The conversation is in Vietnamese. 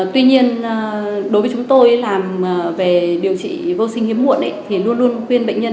tuy nhiên đối với chúng tôi làm về điều trị vô sinh hiếm muộn thì luôn luôn khuyên bệnh nhân